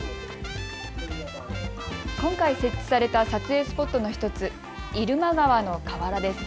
今回、設置された撮影スポットの１つ、入間川の河原です。